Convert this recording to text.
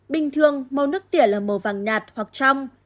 bình thường màu nước tỉa là màu vàng nhạt hoặc trong